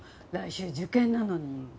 来週受験なのに。